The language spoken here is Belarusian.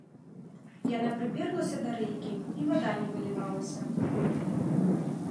Яна прыперлася да рэйкі, і вада не вылівалася.